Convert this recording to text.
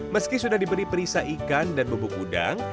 meski sudah diberi perisa ikan dan bubuk udang